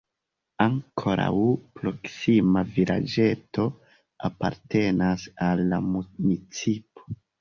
Ankoraŭ proksima vilaĝeto apartenas al la municipo.